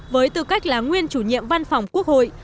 với tư cách là nguyên chủ nhiệm văn phòng quốc hội